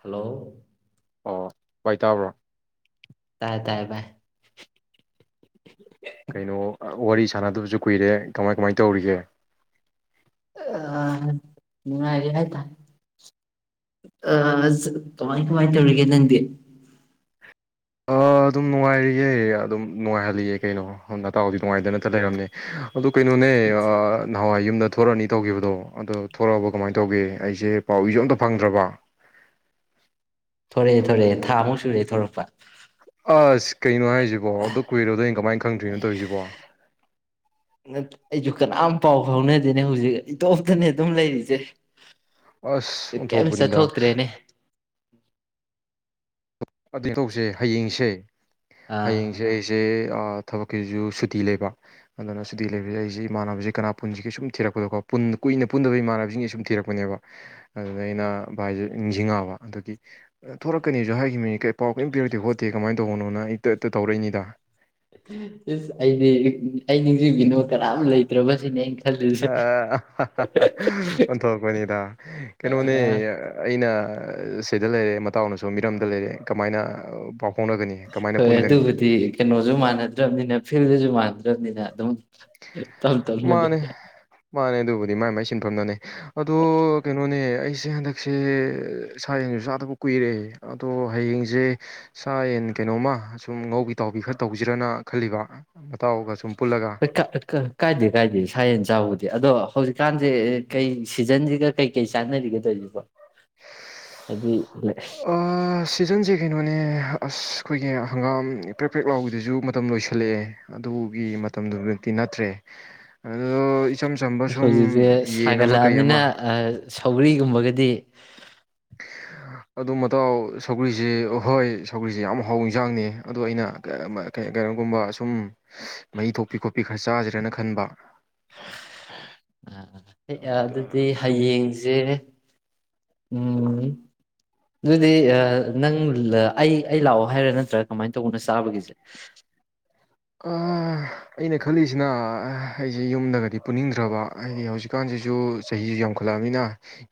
hello ꯑꯣ ꯚꯥꯏ ꯇꯥꯕ꯭ꯔꯣ ꯇꯥꯏ ꯇꯥꯏ ꯚꯥꯏ ꯀꯩꯅꯣ ꯋꯥꯔꯤ ꯁꯥꯟꯅꯗꯕꯁꯨ ꯀꯨꯏꯔꯦ ꯀꯃꯥꯏ ꯀꯃꯥꯏ ꯇꯧꯔꯤꯒꯦ ꯑ ꯅꯨꯡꯉꯥꯏꯔꯤꯍꯥꯏꯇꯥꯔ ꯑ ꯆꯒ ꯀꯃꯥꯏ ꯀꯃꯥꯏꯅ ꯇꯧꯔꯤꯒꯦ ꯅꯪꯗꯤ ꯑꯣ ꯗꯨꯝ ꯅꯨꯡꯉꯥꯏꯔꯤꯌꯦ ꯑꯗꯨꯝ ꯅꯨꯡꯉꯥꯏꯍꯜꯂꯤꯒꯦ ꯀꯩꯅꯣ ꯍꯣ ꯑꯇꯥꯎꯗꯤ ꯅꯨꯡꯉꯥꯏꯗꯅꯇ ꯂꯩꯔꯝꯅꯦ ꯑꯗꯨ ꯀꯩꯅꯣꯅꯦ ꯑꯥ ꯊꯣꯔꯛꯑꯅꯤ ꯇꯧꯈꯤꯕꯗꯣ ꯑꯗꯣ ꯊꯣꯔꯛꯑꯕ ꯀꯃꯥꯏꯅ ꯇꯧꯒꯦ ꯑꯩꯁꯦ ꯄꯥꯎ ꯏꯁꯨ ꯑꯝꯇ ꯐꯪꯗ꯭ꯔꯕ ꯊꯣꯔꯛꯑꯦ ꯊꯣꯔꯛꯑꯦ ꯊꯥꯃꯨꯛ ꯁꯨꯔꯦ ꯊꯣꯔꯛꯄ ꯑꯁ ꯀꯩꯅꯣ ꯍꯥꯏꯁ ꯖꯤꯕꯣ ꯑꯗꯨ ꯀꯨꯏꯔꯕꯗꯣ ꯑꯩꯅ ꯀꯃꯥꯏꯟ ꯈꯪꯗ꯭ꯔꯤꯅꯣ ꯇꯧꯔꯤꯁꯤꯕꯣ ꯅꯠ ꯑꯩꯁꯨ ꯀꯅꯥꯝ ꯄꯥꯎ ꯐꯥꯎꯅꯗꯦꯅꯦ ꯍꯧꯖꯤꯛ ꯏꯇꯣꯞꯇꯅꯦ ꯑꯗꯨꯝ ꯂꯩꯔꯤꯖꯦ ꯑꯁ ꯑꯣꯟꯊꯣꯛꯄꯅꯤꯗ ꯑꯗꯨ ꯇꯧꯁꯦ ꯍꯌꯦꯡꯁꯦ ꯍꯌꯦꯡꯁꯦ ꯑꯥ ꯑꯩꯁꯦ ꯑ ꯊꯕꯛꯀꯤꯖꯨ ꯁꯨꯇꯤ ꯂꯩꯕ ꯑꯗꯨꯅ ꯁꯨꯇꯤ ꯂꯩꯕꯁꯤꯖꯤꯗ ꯑꯩꯁꯤ ꯏꯃꯥꯟꯅꯕꯁꯤ ꯀꯅꯥ ꯄꯨꯟꯁꯤꯒꯦ ꯁꯨꯝ ꯊꯤꯔꯛꯄꯗꯀꯣ ꯄꯨꯟ ꯀꯨꯏꯅ ꯄꯨꯟꯗꯕ ꯏꯃꯥꯟꯅꯕꯤꯁꯤꯡ ꯁꯨꯝ ꯊꯤꯔꯛꯄꯅꯦꯕ ꯑꯗꯨꯗ ꯑꯩꯅ ꯚꯥꯏꯁꯦ ꯅꯤꯡꯁꯤꯡꯉꯛꯑꯕ ꯑꯗꯨꯗꯒꯤ ꯊꯣꯔꯛꯀꯅꯤꯁꯨ ꯍꯥꯏꯈꯤꯝꯅꯤ ꯀꯦ ꯄꯥꯎ ꯀꯔꯤꯝ ꯄꯤꯔꯛꯇꯦ ꯈꯣꯠꯇꯦ ꯀꯃꯥꯏꯅ ꯇꯧꯕꯅꯣꯅ ꯑꯩꯇ ꯍꯇ ꯇꯧꯔꯛꯏꯅꯤꯗ ꯏꯁ ꯑꯩꯗꯤ ꯑꯩ ꯅꯤꯡꯁꯤꯡꯕꯤꯅ ꯀꯅꯥꯝ ꯂꯩꯇ꯭ꯔꯕꯁꯤꯅꯦ ꯑꯩ ꯑꯣꯟꯊꯣꯔꯛꯄꯅꯤꯗ ꯀꯩꯅꯣꯅꯦ ꯑꯥ ꯑꯩꯅ ꯁꯤꯗ ꯂꯩꯔꯦ ꯃꯇꯥꯎꯅꯁꯨ ꯃꯤꯔꯝꯗ ꯂꯩꯔꯦ ꯀꯃꯥꯏꯅ ꯐꯥꯎꯅꯒꯅꯤ ꯀꯃꯥꯏꯅ ꯍꯣꯏ ꯄꯨꯟꯒꯅꯤ ꯑꯗꯨꯕꯨꯗꯤ ꯀꯩꯅꯣꯁꯨ ꯃꯥꯟꯅꯗ꯭ꯔꯕꯅꯤꯅ ꯐꯤꯜꯗꯁꯨ ꯃꯥꯟꯗ꯭ꯔꯕꯅꯤꯅ ꯑꯗꯨꯝ ꯇꯞ ꯇꯞꯅꯅꯦ ꯃꯥꯅꯦ ꯃꯥꯅꯦ ꯑꯗꯨ ꯑ ꯃ ꯃꯥ ꯃꯥꯏ ꯁꯤꯟꯐꯝꯝꯅꯦ ꯑꯗꯨꯗꯣ ꯀꯩꯅꯣꯅꯦ ꯑꯩꯁꯦ ꯍꯟꯗꯛꯁꯦ ꯁꯥ ꯌꯦꯟꯁꯨ ꯆꯥꯗꯕ ꯀꯨꯏꯔꯛꯑꯦ ꯑꯗꯣ ꯍꯌꯦꯡꯁꯦ ꯁꯥ ꯌꯦꯟ ꯀꯩꯅꯣꯝꯃ ꯁꯁꯨꯝ ꯉꯧꯕꯤ ꯇꯥꯎꯕꯤ ꯈꯔ ꯇꯧꯁꯤꯔꯅ ꯈꯜꯂꯤꯕ ꯃꯇꯥꯎꯒ ꯁꯨꯝ ꯄꯨꯜꯂꯒ ꯍꯣꯏ ꯀꯥꯏꯗꯦ ꯀꯥꯏꯗꯦ ꯁꯥ ꯌꯦꯟ ꯆꯥꯎꯕꯗꯤ ꯑꯗꯣ ꯍꯧꯖꯤꯛꯀꯥꯟꯁꯦ ꯀꯩ ꯁꯤꯖꯟꯁꯤꯒ ꯀꯩꯀꯩ ꯆꯥꯟꯅꯔꯤꯒꯗꯧꯔꯤꯁꯤꯕꯣ ꯑꯗꯨꯗꯤ ꯑ ꯁꯤꯖꯟꯁꯦ ꯀꯩꯅꯣꯅꯦ ꯑꯁ ꯑꯩꯈꯣꯏꯒꯤ ꯍꯪꯒꯥꯝ ꯄ꯭ꯔꯦꯛ ꯄ꯭ꯔꯦꯛ ꯂꯥꯎꯒꯤꯗꯨꯁꯨ ꯃꯇꯝ ꯂꯣꯏꯁꯤꯜꯂꯛꯑꯦ ꯑꯗꯨꯒꯤ ꯃꯇꯝꯗꯨꯃꯛꯇꯤ ꯅꯠꯇ꯭ꯔꯦ ꯑꯗꯨ ꯍꯧꯖꯤꯛꯁꯦ ꯁꯒꯠꯂꯛꯑꯃꯤꯅ ꯑꯃ ꯑ ꯊꯧ꯭ꯔꯤꯒꯨꯝꯕꯒꯗꯤ ꯑꯗꯨ ꯃꯇꯥꯎ ꯁꯧꯒ꯭ꯔꯤꯁ ꯑ ꯍꯣꯏ ꯁꯧꯒ꯭ꯔꯤꯁ ꯌꯥꯝ ꯍꯥꯎ ꯏꯟꯁꯥꯡꯅꯤ ꯑꯗꯨꯗꯣ ꯑꯩꯅ ꯀꯩꯅꯣꯒꯨꯝꯕ ꯁꯁꯨꯝ ꯃꯍꯤ ꯊꯣꯛꯄꯤ ꯈꯣꯠꯄꯤ ꯈꯔ ꯆꯥꯖꯔꯦꯅ ꯈꯟꯕ ꯑ ꯑꯗꯨꯗꯤ ꯑꯗꯨꯒꯤ ꯍꯌꯦꯡꯁꯦ ꯎꯝ ꯑꯗꯨꯗꯤ ꯅꯪ ꯑꯩ ꯑꯩ ꯂꯥꯛꯑꯣ ꯍꯥꯏꯔꯥ ꯅꯠꯇ꯭ꯔꯥ ꯀꯃꯥꯏꯅ ꯇꯧꯕꯅꯣ ꯆꯥꯕꯒꯤꯁꯦ ꯑꯩꯅ ꯈꯜꯂꯤꯁꯤꯅ ꯑꯩꯁꯦ ꯌꯨꯝꯗꯒꯗꯤ ꯄꯨꯅꯤꯡꯗ꯭ꯔꯕ ꯍꯥꯏꯗꯤ ꯍꯧꯖꯤꯛꯀꯥꯟꯁꯤꯁꯨ ꯆꯍꯤꯁꯨ ꯌꯥꯝꯈꯠꯂꯛꯑꯕꯅꯤꯅ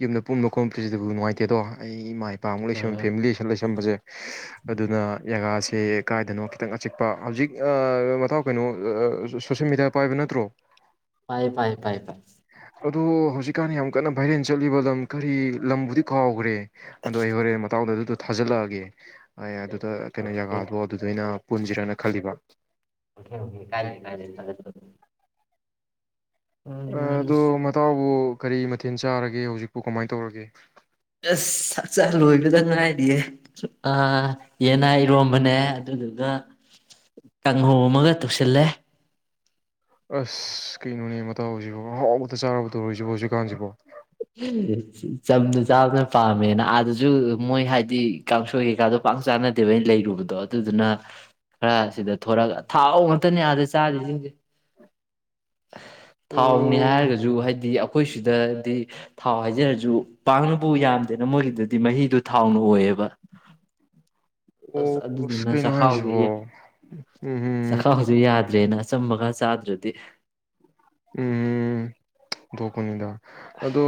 ꯌꯨꯝꯗ ꯄꯨꯟꯕ ꯈꯣꯠꯂꯄꯁꯤꯗꯕꯨ ꯅꯨꯡꯉꯥꯏꯇꯦꯗꯣ ꯑꯩ ꯏꯃꯥꯏ ꯅꯨꯄꯥꯃꯨꯛ ꯂꯩꯁꯝ ꯑꯥ ꯐꯦꯃꯤꯂꯤꯁꯤ ꯂꯩꯁꯕꯁꯦ ꯑꯗꯨꯅ ꯖꯒꯥꯁꯦ ꯀꯥꯏꯗꯅꯣ ꯈꯤꯇꯪ ꯑꯆꯤꯛꯄ ꯍꯧꯖꯤꯛ ꯃꯇꯥꯎ ꯀꯩꯅꯣ ꯁꯣꯁꯦꯜ ꯃꯦꯗꯤꯌꯥꯗ ꯄꯥꯏꯕ ꯅꯠꯇ꯭ꯔꯣ ꯄꯥꯏ ꯄꯥꯏ ꯄꯥꯏ ꯄꯥꯏ ꯑꯗꯣ ꯍꯧꯖꯤꯛꯀꯥꯟ ꯌꯥꯝ ꯀꯟꯅ ꯚꯥꯏꯔꯦꯟ ꯆꯠꯂꯤꯕ ꯂꯝ ꯀꯔꯤ ꯂꯝꯕꯨꯗꯤ ꯈꯥꯎꯈ꯭ꯔꯦ ꯑꯗꯣ ꯑꯩ ꯍꯣꯔꯦ ꯃꯥꯎꯗ ꯑꯗꯨ ꯊꯥꯖꯤꯜꯂꯛꯑꯒꯦ ꯑꯗꯨ ꯀꯩꯅ ꯖꯒꯥꯗꯣ ꯑꯗꯨꯗꯩꯅ ꯄꯨꯟꯁꯤꯔꯅ ꯈꯜꯂꯤꯕ ꯑ ꯎꯝ ꯑꯗꯨ ꯃꯕꯨ ꯀꯔꯤ ꯃꯊꯦꯜ ꯆꯥꯔꯒꯦ ꯍꯧꯖꯤꯛꯄꯨ ꯀꯃꯥꯏꯅ ꯇꯧꯔꯒꯦ ꯑꯁ ꯍꯛꯆꯥ ꯂꯣꯏꯕꯗ ꯉꯥꯏꯔꯤꯌꯦ ꯌꯦꯟꯅꯥ ꯏꯔꯣꯝꯕꯅꯦ ꯑꯗꯨꯗꯨꯒ ꯀꯥꯡꯍꯧ ꯑꯃꯒ ꯇꯧꯁꯤꯜꯂꯦ ꯑꯁ ꯀꯩꯅꯣꯅꯦ ꯃꯇꯥꯎꯁꯤꯕ ꯑꯍꯥꯎꯕꯗ ꯆꯥꯔꯨꯗꯧꯔꯔꯤꯁꯤꯕꯣ ꯍꯧꯖꯤꯛꯀꯥꯟꯁꯤꯕꯣ ꯆꯝꯅ ꯆꯥꯕꯅ ꯄꯥꯝꯃꯦꯅ ꯑꯥꯗꯁꯨ ꯃꯣꯏ ꯍꯥꯏꯗꯤ ꯀꯥꯡꯁꯣꯏ ꯀꯩꯀꯥꯗꯣ ꯄꯥꯛ ꯆꯥꯅꯗꯦꯕ ꯑꯩꯅ ꯂꯩꯔꯨꯕꯗꯣ ꯑꯗꯨꯗꯨꯅ ꯈꯔ ꯁꯤꯗ ꯊꯣꯔꯛꯒ ꯊꯥꯎ ꯉꯥꯛꯇꯅꯦ ꯑꯥꯗ ꯆꯥꯔꯤꯁꯤꯡꯁꯦ ꯊꯥꯎꯅꯤ ꯑꯣ ꯍꯥꯏꯔꯒꯁꯨ ꯍꯥꯏꯗꯤ ꯑꯩꯈꯣꯏ ꯁꯤꯗꯗꯤ ꯊꯥꯎ ꯍꯥꯏꯖꯔꯁꯨ ꯄꯥꯛꯅꯕꯨ ꯌꯥꯝꯗꯦꯅ ꯃꯣꯏꯒꯤꯗꯨꯗꯤ ꯃꯍꯤꯗꯨꯣ ꯊꯥꯎꯅ ꯑꯣꯏꯌꯦꯕ ꯑ ꯑꯣ ꯑꯁ ꯑꯗꯨꯗꯨꯅ ꯀꯩꯅꯣ ꯆꯈꯥꯎꯁ ꯍꯥꯏꯁꯤꯕꯣ ꯎꯝ ꯆꯈꯥꯎꯁꯨ ꯌꯥꯗ꯭ꯔꯦꯅ ꯑ ꯑꯆꯝꯕꯒ ꯆꯥꯗ꯭ꯔꯗꯤ ꯎꯝ ꯗꯣꯛ ꯀꯅꯤꯗ ꯑꯗꯣ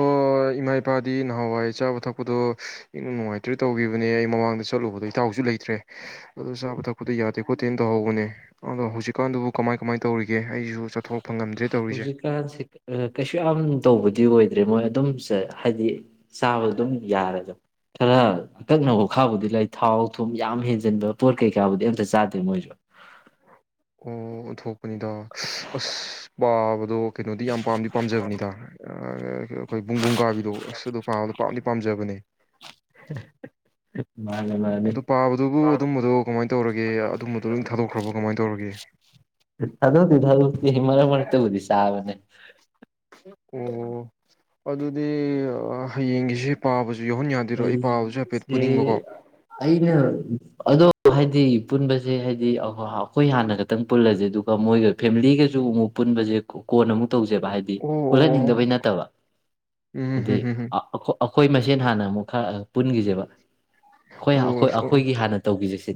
ꯏꯃꯥꯏ ꯏꯄꯥꯗꯤ ꯅꯍꯥꯟꯋꯥꯏ ꯆꯥꯕ ꯊꯛꯄꯗꯣ ꯏꯪ ꯅꯨꯡꯉꯥꯏꯇ꯭ꯔꯦ ꯇꯧꯈꯤꯕꯅꯦ ꯑꯩ ꯃꯃꯥꯡꯗ ꯆꯠꯂꯨꯕꯗ ꯏꯇꯥꯎꯁꯨ ꯂꯩꯇ꯭ꯔꯦ ꯑꯗꯣ ꯆꯥꯕ ꯊꯛꯄꯗꯣ ꯌꯥꯗꯦ ꯈꯣꯠꯇꯦꯅ ꯇꯧꯍꯧꯕꯅꯦ ꯑꯗꯣ ꯍꯧꯖꯤꯛꯀꯥꯟꯗꯨꯕꯨ ꯀꯃꯥꯏ ꯀꯃꯥꯏꯅ ꯇꯧꯔꯤꯒꯦ ꯑꯩꯁꯨ ꯆꯠꯊꯣꯔꯛꯄ ꯉꯝꯗꯦ ꯍꯧꯖꯤꯛꯀꯥꯟꯁꯦ ꯀꯩꯁꯨ ꯌꯥꯝ ꯇꯧꯕꯗꯤ ꯑꯣꯏ ꯭ꯔꯦ ꯃꯣꯏ ꯑꯗꯨꯝ ꯍꯥꯏꯗꯤ ꯆꯥꯕ ꯑꯗꯨꯝ ꯌꯥꯔꯦꯗ ꯈꯔ ꯑꯀꯛꯅꯕꯅꯕ ꯈꯥꯕꯨꯗꯤ ꯂꯩ ꯊꯥꯎ ꯊꯨꯝ ꯌꯥꯝ ꯍꯦꯟꯖꯤꯟꯕ ꯄꯣꯠ ꯀꯩꯀꯥꯕꯨꯗꯤ ꯑꯝꯇ ꯆꯥꯗꯦ ꯃꯣꯏꯁꯨ ꯊꯣꯛ ꯅꯤꯗ ꯑꯁ ꯄꯥꯕꯗꯣ ꯀꯩꯅꯣꯗꯤ ꯌꯥꯝ ꯄꯥꯝꯗꯤ ꯄꯥꯝꯖꯕꯅꯤꯗ ꯑꯩꯈꯣꯏ ꯄꯕꯨꯡꯕꯨꯡ ꯀꯥꯕꯤꯗꯣ ꯑꯁ ꯑꯣ ꯄꯥꯕꯗꯣ ꯄꯥꯝꯗꯤ ꯄꯥꯝꯖꯕꯅꯦ ꯃꯥꯅꯦ ꯃꯥꯅꯦ ꯑꯗꯨ ꯄꯥꯕꯗꯨꯕꯨ ꯑꯗꯨꯝꯕꯗꯣ ꯀꯃꯥꯏꯅ ꯇꯧꯔꯒꯦ ꯑꯗꯨꯝꯕꯗꯣ ꯂꯣꯏ ꯊꯥꯗꯣꯛꯈ꯭ꯔꯕꯣ ꯀꯃꯥꯏꯅ ꯇꯧꯔꯒꯦ ꯊꯔꯗꯤꯤ ꯊꯔ ꯃꯔꯔ ꯃꯔ ꯇꯕꯨꯗꯤ ꯁꯥꯕꯅꯦ ꯑꯣ ꯑꯗꯨꯗꯤ ꯍꯌꯦꯡꯒꯤꯁꯤ ꯄꯥꯕꯁꯨ ꯌꯥꯎꯍꯟ ꯌꯥꯗꯣꯏꯔꯣ ꯑꯩ ꯄꯥꯕꯁꯨ ꯍꯥꯏꯐꯦꯠ ꯄꯨꯅꯤꯡꯕꯀꯣ ꯑꯩ ꯑꯩꯅ ꯑꯗꯣ ꯍꯥꯏꯗꯤ ꯄꯨꯟꯕꯁꯦ ꯍꯥꯏꯗꯤ ꯑꯩꯈꯣꯏ ꯍꯥꯟꯅ ꯈꯛꯇꯪ ꯄꯨꯜꯂꯁꯦ ꯑꯗꯨꯒ ꯃꯣꯏꯒ ꯐꯦꯃꯤꯂꯤꯒꯁꯨ ꯑꯃꯨꯛ ꯄꯨꯟꯕꯁꯦ ꯀꯣꯟꯅ ꯑꯃꯨꯛ ꯇꯧꯖꯦꯕ ꯍꯥꯏꯗꯤ ꯑꯣ ꯑꯣ ꯑꯣ ꯄꯨꯜꯍꯟꯅꯤꯡꯗꯕꯩ ꯅꯠꯇꯕ ꯎꯝ ꯍꯥꯏꯗꯤ ꯍꯝ ꯍꯝ ꯍꯝ ꯑꯩꯈꯣꯏ ꯃꯁꯦꯟ ꯍꯥꯟꯅ ꯑꯃꯨꯛ ꯄꯨꯟꯈꯤꯁꯦꯕ ꯑꯩꯈꯣꯏ ꯑꯣ ꯑꯩꯈꯣꯏ ꯑꯩꯈꯣꯏꯒꯤ ꯍꯥꯟꯅ ꯇꯧꯈꯤꯖꯁꯤꯦ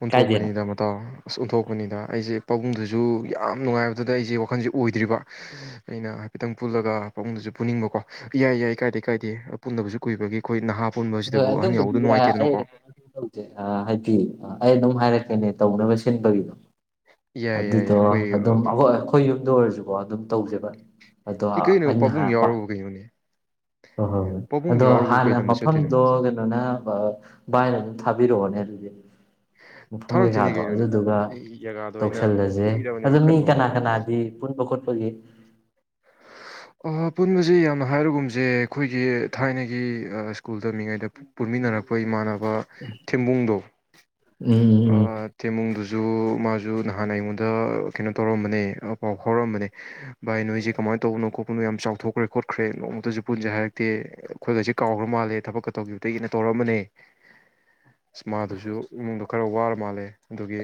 ꯑꯣꯟꯊꯣꯛꯄꯅꯤꯗ ꯃꯇꯥꯎ ꯑꯁ ꯑꯣꯟꯊꯣꯛꯄꯅꯤꯗ ꯑꯩꯁꯦ ꯄꯥꯕꯨꯡꯗꯨꯁꯨ ꯁꯨ ꯌꯥꯝ ꯅꯨꯡꯉꯥꯏꯕꯗꯨꯗ ꯑꯩꯁꯦ ꯋꯥꯈꯜꯁꯦ ꯑꯣꯏꯗ꯭ꯔꯤꯕ ꯑꯩꯅ ꯍꯥꯏꯐꯦꯠꯇꯪ ꯄꯨꯜꯂꯒ ꯄꯥꯕꯨꯡꯗꯁꯨ ꯄꯨꯅꯤꯡꯕꯀꯣ ꯏꯌꯥꯏ ꯌꯥꯏ ꯀꯥꯏꯗꯦ ꯀꯥꯏꯗꯦ ꯄꯨꯟꯅꯁꯨ ꯀꯨꯏꯕꯒꯤ ꯑꯩꯈꯣꯏ ꯅꯍꯥ ꯍꯣꯏ ꯄꯨꯟꯕꯁꯤꯗꯕꯨ ꯑꯍꯟ ꯑꯗꯨꯝꯕꯗꯤ ꯌꯥꯎꯕꯗꯣ ꯑꯩ ꯅꯨꯡꯉꯥꯏꯇꯦꯗꯅꯀꯣ ꯍꯥꯏꯗꯤ ꯑꯩ ꯑꯗꯨꯝ ꯍꯥꯏꯔꯛꯀꯦꯅꯦ ꯇꯧꯅꯕ ꯁꯤꯟꯕꯒꯤꯗꯣ ꯌꯥꯏ ꯌꯥꯏ ꯌꯥꯏ ꯑꯗꯨꯗꯣ ꯑꯩꯈꯣꯏ ꯑꯗꯨꯝꯈꯣꯏ ꯑꯩꯈꯣꯏ ꯌꯨꯝꯗ ꯑꯣꯏꯔꯁꯨ ꯑꯣ ꯑꯗꯨꯝ ꯇꯧꯁꯦꯕ ꯑꯗꯣ ꯏ ꯀꯩꯅꯣ ꯑꯩꯅ ꯄꯥꯕꯨꯡ ꯍꯥꯏꯄ ꯌꯥꯎꯔꯕ ꯀꯩꯅꯣꯅꯦ ꯍꯣꯏ ꯍꯣꯏ ꯍꯣꯏ ꯄꯥꯕꯨꯡ ꯑꯗꯣ ꯌꯥꯎꯔꯒꯕꯨ ꯀꯩ ꯍꯥꯟꯅ ꯂꯝꯗ ꯆꯠꯇꯣꯏꯅꯣ ꯃꯐꯝꯗꯣ ꯀꯩꯅꯣꯅ ꯚꯥꯏꯅ ꯑꯗꯨꯝ ꯊꯥꯕꯤꯔꯛꯑꯣꯅꯦ ꯑꯗꯨꯗꯤ ꯎ ꯃꯐꯝ ꯊꯥꯔꯛꯇꯣꯏꯅꯤ ꯀꯩꯀꯥꯗꯣ ꯀꯩꯅꯣꯅꯦ ꯑꯗꯨꯗꯨꯒ ꯑꯩ ꯖꯒꯥꯗꯣ ꯑꯩꯅ ꯇꯧꯁꯜꯂꯁꯦ ꯑ ꯀꯨꯏꯔꯕꯅꯦꯕ ꯃꯤ ꯈꯟꯕꯀꯣ ꯀꯅꯥ ꯀꯅꯥꯗꯤ ꯄꯨꯟꯕ ꯈꯣꯠꯄꯒꯤ ꯄꯨꯟꯁꯦ ꯌꯥꯝꯅ ꯍꯥꯏꯔꯒꯨꯝꯁꯦ ꯑꯩꯈꯣꯏꯒꯤ ꯊꯥꯏꯅꯒꯤ ꯁ꯭ꯀꯨꯜ ꯇꯝꯃꯤꯉꯩꯗ ꯄꯨꯟꯃꯤꯟꯅꯔꯛꯄ ꯏꯃꯥꯟꯅꯕ ꯎꯝ ꯎꯝ ꯨꯡ ꯁꯨ ꯃꯥꯁꯨ ꯅꯍꯥꯟ ꯑꯩꯉꯣꯟꯗ ꯀꯩꯅꯣ ꯇꯧꯔꯝꯕꯅꯦ ꯄꯥꯎ ꯐꯥꯎꯔꯛꯑꯝꯕꯅꯦ ꯏꯅꯣ ꯇꯧꯕꯅꯣ ꯈꯣꯠꯄꯅꯣ ꯌꯥꯝ ꯆꯥꯎꯊꯣꯛꯈ꯭ꯔꯦ ꯈꯣꯠꯈ꯭ꯔꯦ ꯅꯣꯡꯃꯇꯁꯨ ꯄꯨꯟꯁꯦ ꯍꯥꯏꯔꯛꯇꯦ ꯑꯩꯈꯣꯏꯗꯁꯦ ꯀꯥꯎꯈ꯭ꯔ ꯃꯥꯜꯂꯦ ꯊꯕꯛꯀ ꯇꯧꯈꯤꯕꯗꯒꯤꯅ ꯇꯧꯔꯝꯕꯅꯦ ꯏꯁꯃꯥꯗꯨꯁꯨ ꯏꯃꯨꯡꯗ ꯈꯔ ꯋꯥꯔ ꯃꯥꯜꯂꯦ ꯑꯗꯨꯒꯤ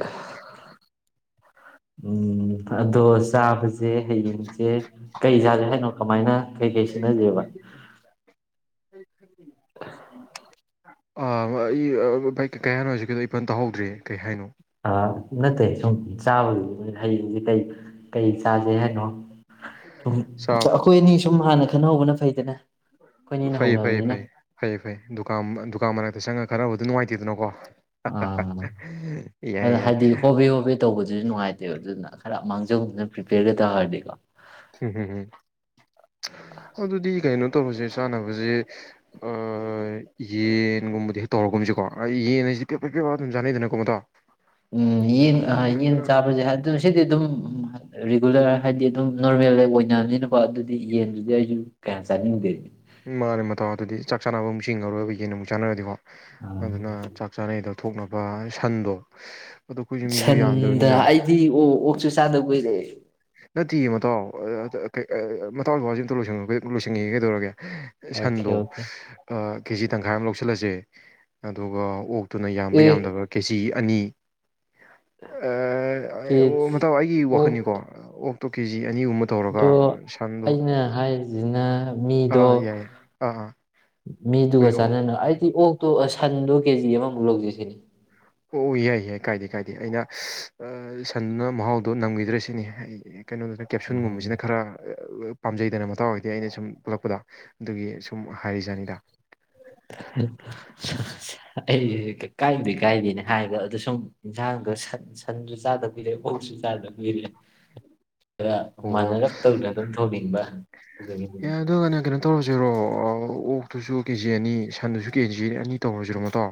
ꯎꯝ ꯑꯗꯣ ꯆꯥꯕꯁ ꯁꯦ ꯍꯌꯦꯡꯁꯦ ꯀꯩ ꯆꯥꯠꯒꯦ ꯍꯥꯏꯅꯣ ꯀꯃꯥꯏꯅ ꯀꯩ ꯀꯩ ꯁꯤꯟꯅꯖꯦꯕ ꯎ [inaudible] ꯑꯩ ꯀꯩ ꯍꯥꯟꯅꯣ ꯍꯧꯖꯤꯛꯀꯤꯗꯣ ꯏ ꯄꯟ ꯇꯧꯍꯧꯗ꯭ꯔꯦ ꯀꯩ ꯍꯥꯏꯅꯣ ꯅꯠꯇꯦ ꯁꯨꯝ ꯆꯥꯕꯗꯨꯗꯤꯣꯏ ꯍꯩꯡꯁꯦ ꯀꯩ ꯀꯩ ꯆꯥꯖꯦ ꯍꯥꯏꯅꯣ ꯆꯥ ꯆꯈꯣꯏꯅꯤ ꯁꯨꯝ ꯍꯥꯟꯅ ꯈꯟꯅꯍꯧꯕꯅ ꯐꯩꯗꯅ ꯑꯩꯈꯣꯏꯅꯤꯅ ꯐꯩꯌꯦ ꯐꯩꯌꯦ ꯍꯧꯅꯕꯅꯤꯅ ꯐꯩ ꯐꯩꯌꯦ ꯐꯩ ꯗꯨꯀꯥꯟ ꯗꯨꯀꯥꯟ ꯃꯅꯥꯛꯇ ꯆꯪꯉꯒ ꯈꯔꯕꯨꯗꯤ ꯅꯨꯡꯉꯥꯏꯇꯦꯗꯅꯀꯣ ꯑꯥ ꯌꯥꯏ ꯑꯗꯨ ꯌꯥꯏ ꯍꯥꯏꯗꯤ ꯍꯣꯕꯦ ꯍꯣꯕꯦ ꯇꯧꯕꯗꯨꯁꯨ ꯅꯨꯡꯉꯥꯏꯇꯦꯕ ꯑꯗꯨꯅ ꯍꯔꯞ ꯃꯥꯡꯖꯧꯗꯅ ꯄ꯭ꯔꯤꯄꯦꯔꯒ ꯇꯥꯔꯗꯤꯀꯣ ꯎꯝꯝꯝ ꯑꯗꯨ ꯑꯗꯨꯗꯤ ꯀꯥꯏꯩꯅꯣ ꯇꯧꯕꯁꯦ ꯆꯥꯅꯕꯁꯦ ꯑ ꯌꯦꯟꯒꯨꯝꯕꯗꯤ ꯍꯦꯛ ꯇꯧꯔꯒꯨꯝꯁꯀꯣ ꯌꯦꯟ ꯍꯥꯏꯁꯦ ꯄꯦꯄ ꯄꯦꯄꯒ ꯑꯗꯨꯝ ꯆꯥꯅꯩꯗꯅꯀꯣ ꯃꯇꯇꯣ ꯎꯝ ꯌꯦꯟ ꯌꯦꯟ ꯆꯥꯕꯁꯦ ꯑꯗꯨꯅ ꯁꯤꯗꯤ ꯑꯗꯨꯝ ꯔꯤꯒꯨꯂꯔ ꯍꯥꯏꯗꯤ ꯑꯗꯨꯝ ꯅꯣꯔꯃꯦꯜꯗ ꯑꯣꯏꯅꯕꯅꯤꯅꯀꯣ ꯑꯗꯨꯗꯤ ꯌꯦꯟꯗꯨꯗꯤ ꯑꯩꯁꯨ ꯀꯌꯥꯝ ꯆꯥꯅꯤꯡꯗꯦ ꯎꯝ ꯃꯥꯂꯦ ꯃꯇꯧ ꯑꯗꯨꯗꯤ ꯆꯥꯛ ꯆꯥꯅꯕ ꯑꯃꯨꯛ ꯆꯤꯡꯉꯔꯣꯏꯕ ꯌꯦꯟ ꯑꯃꯨꯛ ꯆꯥꯟꯅꯔꯗꯤꯀꯣ ꯑꯥ ꯑꯗꯨꯅ ꯆꯥꯛ ꯆꯥꯅꯩꯗ ꯊꯣꯛꯅꯕ ꯁꯟꯗꯣ ꯑꯗꯣ ꯑꯩꯈꯣꯏꯁꯨ ꯃꯤꯁꯨ ꯁꯟꯗ ꯌꯥꯝꯗꯕꯅꯤꯅ ꯑꯩꯗꯤ ꯑꯣ ꯑꯣꯛꯁꯨ ꯆꯥꯗꯕ ꯀꯨꯏꯔꯑꯦ ꯇꯇꯤꯒꯤ ꯃꯇꯥꯎ ꯀ ꯃꯇꯥꯎ ꯆꯁ ꯑꯇ ꯂꯣꯏꯁꯤꯟꯉꯒꯦ ꯀꯩꯗꯧꯔꯒꯦ ꯑꯣꯀꯦ ꯁꯟꯗꯣ ꯑꯣꯀꯦ ꯑ ꯀꯦꯖꯤ ꯇꯪꯈꯥꯏ ꯑꯃ ꯂꯧꯁꯤꯜꯂꯁꯦ ꯑꯗꯨꯒ ꯑꯣꯛ ꯇꯨꯅ ꯌꯥꯝꯕ ꯑꯦ ꯌꯥꯝꯗꯕ ꯀꯦꯖꯤ ꯑꯅꯤ ꯑ ꯀꯦꯖ ꯃꯇꯥꯎ ꯑꯩꯒꯤ ꯋꯥꯈꯜꯅꯤꯀꯣ ꯇꯣꯛ ꯀꯦꯖꯤ ꯑꯅꯤꯒꯨꯝꯕ ꯇꯧꯔꯒ ꯑꯗꯣ ꯁꯟꯗꯣ ꯑꯩꯅ ꯍꯥꯏꯔꯤꯁꯤꯅ ꯃꯤ ꯑꯥ ꯑꯣ ꯑꯥ ꯌꯥꯏ ꯌꯥꯏ ꯑꯥ ꯑꯥ ꯑꯩꯈꯣꯏ ꯃꯤꯗꯨꯒ ꯑꯍꯨꯝ ꯆꯥꯟꯅꯅꯨ ꯑꯩ ꯎꯝ ꯑꯣꯛꯇꯣ ꯁꯟꯗꯣ ꯀꯦꯖꯤ ꯑꯃꯃꯨꯛ ꯂꯧꯖ ꯁꯤꯅꯦ ꯑꯣ ꯌꯥꯏ ꯌꯥꯏ ꯀꯥꯏꯗꯦ ꯀꯥꯏꯗꯦ ꯑꯩꯅ ꯑ ꯁꯟꯗꯨꯅ ꯃꯍꯥꯎꯗꯣ ꯅꯝꯈꯤꯗ꯭ꯔ ꯁꯤꯅꯤ ꯑꯩ ꯀꯩꯅꯣꯗꯨꯅ ꯀꯦꯞꯁꯨꯟꯒꯨꯝꯕꯁꯤꯅ ꯈꯔ ꯄꯥꯝꯖꯩꯗꯅ ꯃꯇꯥꯎ ꯑꯣꯏꯗꯤ ꯑꯩꯅ ꯁꯨꯝ ꯄꯜꯂꯛꯄꯗ ꯑꯗꯨꯒꯤ ꯁꯨꯝ ꯍꯥꯏꯔꯤꯖꯥꯅꯤꯗ ꯑꯩ ꯀꯥꯏꯗꯦ ꯀꯥꯏꯗꯦꯅꯦ ꯍꯥꯏꯕ ꯑꯗꯨ ꯁꯨꯝ ꯏꯟꯁꯥꯡꯗꯣꯟ ꯁꯟꯁꯨ ꯆꯥꯗꯕꯣꯏꯔꯦ ꯑꯣꯛꯁꯨ ꯆꯥꯗꯕꯣꯏꯔꯦ ꯈꯔ ꯑꯣ ꯍꯣ ꯃꯥꯟꯅꯔꯞ ꯇꯧꯅ ꯑꯗꯨꯝ ꯊꯣꯡꯅꯤꯡꯕ ꯑꯗꯨꯗꯒꯤꯅꯤ ꯌꯥ ꯑꯗꯨꯒꯅꯦ ꯀꯩꯅꯣ ꯇꯧꯔꯁꯤꯔꯣ ꯑꯣꯛꯇꯨꯁꯨ ꯀꯦꯖꯤ ꯑꯅꯤ ꯁꯟꯗꯨꯁꯨ ꯀꯦꯖꯤ ꯑꯅꯤ ꯇꯧꯔꯁꯤꯔꯣ ꯃꯇꯥꯎ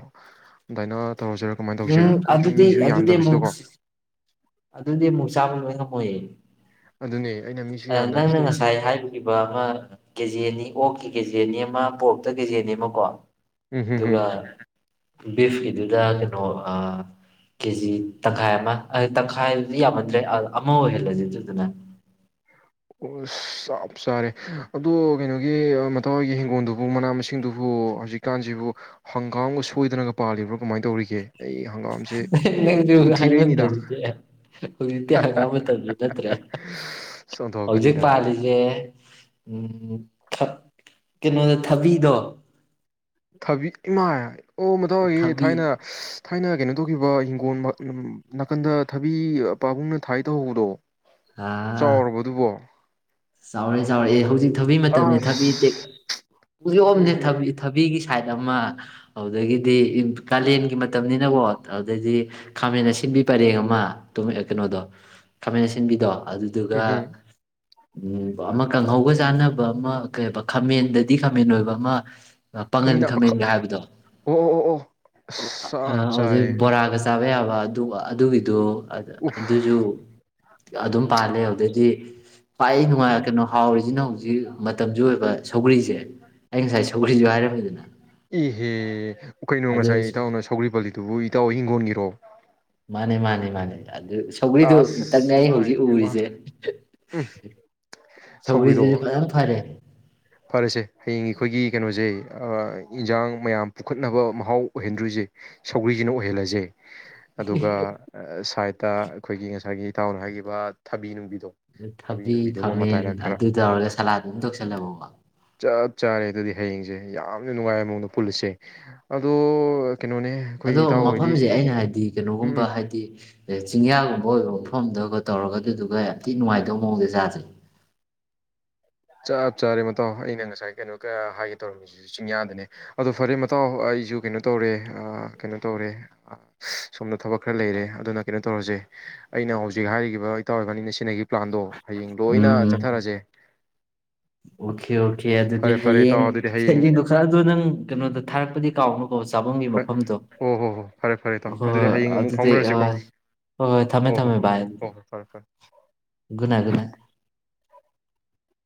ꯑꯗꯨꯃꯥꯏꯅꯥ ꯇꯧꯔꯁꯤꯔꯥ ꯀꯃꯥꯏꯅ ꯇꯧꯁꯤꯒꯦ ꯎꯝ ꯑꯩꯈꯣꯏꯁꯨ ꯑꯗꯨꯗꯤ ꯃꯤꯁꯨ ꯑꯗꯨꯗꯤ ꯑꯃꯨꯛ ꯌꯥꯟꯗꯕꯁꯤꯗꯀꯣ ꯑꯗꯨꯗꯤ ꯑꯃꯨꯛ ꯆꯥꯕ ꯂꯣꯏ ꯉꯝꯃꯣꯏꯌꯦ ꯑꯗꯨꯅꯦ ꯑꯩꯅ ꯃꯤꯁꯨ ꯅꯪꯅ ꯌꯥꯝꯗꯕꯁꯤꯗ ꯑꯩꯁꯦ ꯉꯁꯥꯏ ꯍꯥꯏꯕꯤꯈꯤꯕ ꯑꯃ ꯀꯦꯖꯤ ꯑꯅꯤ ꯑꯣꯛꯀꯤ ꯀꯦ ꯖꯤ ꯑꯅꯤ ꯑꯃ ꯄꯣꯔꯀꯇ ꯀꯦꯖꯦꯅꯤꯃꯀꯣ ꯎꯝ ꯍꯝ ꯍꯝ ꯑꯗꯨꯒꯥ ꯕꯤꯐꯀꯤꯗꯨꯗ ꯀꯩꯅꯣ ꯀꯦꯖꯤ ꯇꯪꯈꯥꯏ ꯑꯃ ꯇꯪꯈꯥꯏꯗꯤ ꯌꯥꯝꯃꯟꯗ꯭ꯔꯦ ꯑꯃ ꯑꯣꯏꯍꯜꯂꯁꯤꯗꯅ ꯑꯣ ꯑꯁ ꯆꯞ ꯆꯥꯔꯦ ꯑꯗꯣ ꯀꯩꯅꯣꯒꯤ ꯃꯇꯥꯎꯍꯣꯏꯒꯤ ꯍꯤꯡꯒꯣꯜꯗꯨꯕꯨ ꯃꯅꯥ ꯃꯁꯤꯡꯗꯨꯕꯨ ꯍꯧꯖꯤꯛꯀꯥꯟꯁꯤꯕꯨ ꯍꯪꯒꯥꯝꯒ ꯁꯣꯏꯗꯅꯒ ꯄꯥꯜꯂꯤꯕ꯭ꯔꯣ ꯀꯃꯥꯏꯅ ꯇꯧꯔꯤꯒꯦ ꯀꯦ ꯑꯩ ꯍꯪꯒꯥꯝꯁꯦ ꯅꯪꯁꯨ ꯁꯨꯝ ꯊꯤꯔꯛꯏꯅꯤꯗ ꯍꯥꯏꯃꯟꯗ꯭ꯔꯗꯤ ꯍꯧꯖꯤꯛꯇꯤ ꯍꯪꯒꯥꯝ ꯃꯇꯝꯁꯨ ꯅꯠꯇ꯭ꯔꯦ ꯍꯧꯖꯤꯛ ꯆꯣꯟꯊꯣꯛꯄꯅꯤꯗ ꯄꯥꯜꯂꯤꯁꯦ ꯎꯝ ꯀꯩꯅꯣꯗ ꯊꯕꯤꯗꯣ ꯊꯕꯤ ꯏꯃꯥ ꯑꯣ ꯃꯇꯥꯎꯍꯣꯏꯒꯤ ꯊꯕꯤ ꯊꯥꯏꯅ ꯊꯥꯏꯅ ꯀꯩꯅꯣ ꯇꯧꯈꯤꯕ ꯍꯤꯡꯒꯣꯜ ꯅꯥꯀꯟꯗ ꯊꯕꯤ ꯄꯥꯕꯨꯡꯅ ꯊꯥꯏ ꯇꯧꯍꯧꯕꯗꯣ ꯑꯥ ꯆꯥꯎꯔꯕꯗꯨꯕꯣ ꯆꯥꯎꯔꯦ ꯆꯥꯎꯔꯦ ꯑꯦ ꯍꯧꯖꯤꯛꯇ ꯊꯕꯤ ꯃꯇꯝꯅꯤꯅꯦ ꯊꯕꯤ ꯇꯦꯛ ꯑꯁ ꯍꯧꯖꯤꯛ ꯎꯣꯝꯗꯦ ꯎꯝ ꯊꯕꯤꯒꯤ ꯁꯥꯏꯠ ꯑꯃ ꯑꯗꯨꯗꯒꯤꯗꯤ ꯀꯥꯂꯦꯟꯒꯤ ꯃꯇꯝꯅꯤꯅꯀꯣ ꯑꯗꯨꯗꯩꯗꯤ ꯈꯥꯃꯦꯟ ꯑꯁꯤꯟꯕꯤ ꯄꯔꯦꯡ ꯑꯃ ꯀꯩꯅꯣꯗꯣ ꯈꯥꯃꯦꯟ ꯑꯁꯤꯟꯕꯤꯗꯣ ꯑꯗꯨꯗꯨꯒ ꯎꯝ ꯎꯝ ꯎꯝ ꯑꯃ ꯀꯥꯡꯍꯧꯒ ꯆꯥꯅꯕ ꯑꯃ ꯀꯩ ꯈꯥꯃꯦꯟꯗꯗꯤ ꯈꯥꯃꯦꯟ ꯑꯣꯏꯕ ꯑꯃ ꯄꯥꯉꯟ ꯈꯥꯃꯤꯅ ꯑꯣ ꯈꯥꯃꯦꯟꯒ ꯍꯥꯏꯕꯗꯣ ꯑꯣ ꯑꯣ ꯑꯣ ꯑꯁ ꯆꯞ ꯍꯧꯖꯤꯛ ꯆꯥꯔꯦ ꯕꯣꯔꯥꯒ ꯆꯥꯕ ꯌꯥꯕ ꯑꯗꯨ ꯑꯗꯨꯒꯤꯗꯨ ꯑꯗꯨꯁꯨ ꯑꯗꯨꯝ ꯄꯥꯜꯂꯦ ꯑꯗꯨꯗꯗꯤ ꯄꯏ ꯅꯨꯡꯉꯥꯏꯔ ꯀꯩꯅꯣ ꯍꯥꯎꯔꯤꯁꯤꯅ ꯍꯧꯖꯤꯛ ꯃꯇꯝꯁꯨ ꯑꯣꯏꯕ ꯁꯧꯒ꯭ꯔꯤꯁꯦ ꯑꯩ ꯉꯁꯥꯏ ꯁꯧꯒ꯭ꯔꯤꯁꯨ ꯍꯥꯏꯔꯝꯃꯤꯗꯅ ꯏꯍꯦ ꯀꯩꯅꯣ ꯑꯗꯨ ꯉꯁꯥꯏ ꯏꯇꯥꯎꯅ ꯁꯧꯒ꯭ꯔꯤ ꯄꯂꯤꯗꯨꯕꯨ ꯏꯇꯥꯎ ꯍꯤꯡꯒꯣꯟꯒꯤꯔꯣ ꯃꯥꯅꯦ ꯃꯥꯅꯦ ꯃꯥꯅꯦ ꯑꯗꯨ ꯁꯧꯒꯔꯤꯗꯨ ꯑꯁ ꯉꯥꯛꯇꯪꯅꯦ ꯑꯩ ꯂꯥꯏ ꯍꯧꯖꯤꯛ ꯄꯦꯝꯃ ꯎꯔꯤꯁꯦ ꯎꯝ ꯁꯧꯒ꯭ꯔꯤꯗꯣ ꯁꯧꯒꯔꯤꯁꯤꯁꯨ ꯐꯖꯅ ꯐꯔꯦ ꯐꯔꯁꯦ ꯍꯌꯦꯡ ꯑꯩꯈꯣꯏꯒꯤ ꯀꯩꯅꯣꯁꯦ ꯏꯟꯁꯥꯡ ꯃꯌꯥꯝ ꯄꯨꯈꯠꯅꯕ ꯃꯍꯥꯎ ꯑꯣꯏꯍꯟꯗꯣꯔꯤꯁꯦ ꯁꯧꯒ꯭ꯔꯤꯁꯤꯅ ꯑꯣꯏꯍꯜꯂꯁꯦ ꯑꯗꯨꯒ ꯗ ꯑꯩꯈꯣꯏꯒꯤ ꯉꯁꯥꯏꯒꯤ ꯏꯇꯥꯎꯅ ꯍꯥꯏꯈꯤꯕ ꯊꯕꯤ ꯅꯨꯡꯕꯤ ꯑ ꯊꯕꯤ ꯈꯥꯃꯦꯟ ꯑꯗꯨ ꯇꯧꯔꯒ ꯁꯂꯥꯗ ꯑꯗꯨꯝ ꯊꯣꯛꯣꯛꯁꯜꯂꯕꯣ ꯆꯥ ꯆꯥꯔꯦ ꯑꯗꯨꯗꯤ ꯍꯌꯦꯡꯁꯦ ꯌꯥꯝꯅ ꯅꯨꯡꯉꯥꯏ ꯃꯑꯣꯡꯗ ꯄꯨꯜꯂꯁꯦ ꯑꯗꯣ ꯀꯩꯅꯣꯅꯦ ꯑꯗꯣ ꯑꯩꯈꯣꯏ ꯏꯇꯥꯎ ꯍꯣꯏꯗꯤ ꯃꯐꯝꯁꯦ ꯑꯩꯅ ꯍꯥꯏꯕꯗꯤ ꯎꯝ ꯎꯝ ꯀꯩꯅꯣꯒꯨꯝꯕ ꯍꯥꯏꯗꯤ ꯆꯤꯡꯌꯥꯒꯨꯝꯕ ꯑꯣꯏ ꯃꯐꯝꯗꯨꯒ ꯇꯧꯔꯒ ꯑꯗꯨꯗꯨꯒ ꯌꯥꯝ ꯊꯤꯅ ꯅꯨꯡꯉꯥꯏꯗꯕ ꯃꯑꯣꯡꯗꯦ ꯆꯥꯁꯩ ꯆꯞ ꯆꯥꯔꯦ ꯃꯇꯥꯎ ꯑꯩꯅ ꯉꯁꯥꯏ ꯀꯩꯅꯣ ꯍꯥꯏꯒꯦ ꯇꯧꯔꯝꯃꯤꯁꯤꯁꯨ ꯆꯤꯡꯌꯥꯗꯅꯦ ꯑꯗꯣ ꯐꯔꯦ ꯃꯇꯥꯎ ꯑꯩꯁꯨ ꯀꯩꯅꯣ ꯇꯧꯔꯦ ꯀꯩꯅꯣ ꯇꯧꯔꯦ ꯁꯣꯝꯗ ꯊꯕꯛ ꯈꯔ ꯂꯩꯔꯦ ꯑꯗꯨꯅ ꯀꯩꯅꯣ ꯇꯧꯔꯁꯦ ꯑꯩꯅ ꯍꯧꯖꯤꯛ ꯍꯥꯏꯈꯤꯕ ꯏꯇꯥꯎ ꯑꯣꯏꯕꯥꯅꯤꯅ ꯁꯤꯅꯒꯤ ꯄ꯭ꯂꯥꯟꯗꯣ ꯍꯌꯦꯡ ꯂꯣꯏꯅ ꯆꯠꯊꯔꯁꯦ ꯑꯣ ꯑꯣꯀꯦ ꯑꯣꯀꯦ ꯑꯗꯨꯗꯤ ꯐꯔꯦ ꯐꯔꯦ ꯏꯇꯥꯎ ꯍꯌꯦꯡ ꯑꯗꯨꯗꯤ ꯍꯌꯦꯡ ꯍꯌꯦꯡꯗꯣ ꯈꯔꯗꯣ ꯅꯪ ꯀꯩꯅꯣꯗꯣ ꯊꯥꯔꯛꯄꯗꯤ ꯀꯥꯎꯅꯣ ꯀꯧꯁꯦ ꯆꯥꯕꯨꯡꯒꯤ ꯃꯐꯝꯗꯣ ꯍꯣ ꯍꯣ ꯍꯣ ꯐꯔꯦ ꯐꯔꯦ ꯏꯇꯥꯎ ꯍꯣꯏ ꯑꯗꯨꯗꯤ ꯍꯣꯏ ꯍꯌꯦꯡ ꯑꯃꯨꯛ ꯑꯗꯨꯗꯤ ꯍ ꯐꯥꯎꯅꯔꯁꯤꯀꯣ ꯍꯣꯏ ꯍꯣꯏ ꯊꯝꯃꯦ ꯍꯣ ꯍꯣ ꯊꯝꯃꯦ ꯍꯣ ꯚꯥꯏ ꯍꯣ ꯑꯗꯨꯗꯤ ꯍꯣ ꯐꯔꯦ ꯐꯔꯦ ꯒꯨꯗꯅꯥꯥꯏ ꯒꯨꯗꯅꯥꯏ